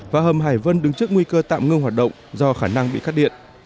và hầm hải vân đứng trước nguy cơ tạm ngưng hoạt động do khả năng bị cắt điện